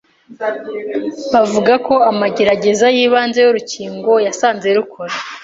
bavuga ko amagerageza y'ibanze y'urukingo yasanze rukora